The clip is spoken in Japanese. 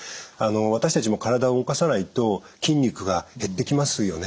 私たちも体を動かさないと筋肉が減ってきますよね。